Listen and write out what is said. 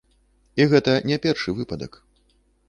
І гэта не першы выпадак.